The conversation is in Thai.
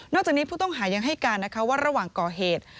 จากนี้ผู้ต้องหายังให้การนะคะว่าระหว่างก่อเหตุ